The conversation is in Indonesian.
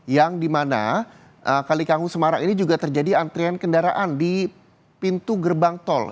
yang dimana kali kangkung semarang ini juga terjadi antrian kendaraan di pintu gerbang tol